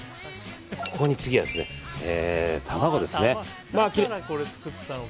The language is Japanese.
ここに次は卵ですね。